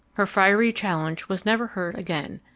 Her fiery challenge was never heard again.